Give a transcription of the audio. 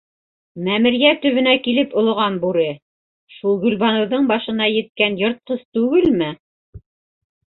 Мәмерйә төбөнә килеп олоған бүре... шул Гөлбаныуҙың башына еткән йыртҡыс түгелме?